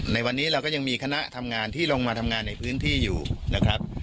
ในวันนี้เราก็ยังมีคณะทำงานที่ลงมาทำงานในพื้นที่อยู่นะครับ